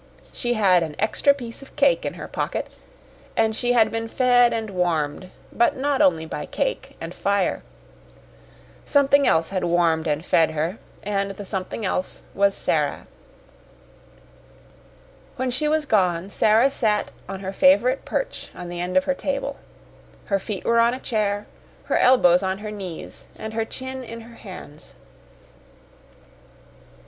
She had an extra piece of cake in her pocket, and she had been fed and warmed, but not only by cake and fire. Something else had warmed and fed her, and the something else was Sara. When she was gone Sara sat on her favorite perch on the end of her table. Her feet were on a chair, her elbows on her knees, and her chin in her hands.